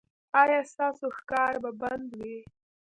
ایا ستاسو ښکار به بند وي؟